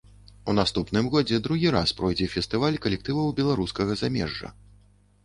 У наступным годзе другі раз пройдзе фестываль калектываў беларускага замежжа.